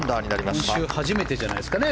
今週初めてじゃないですかね。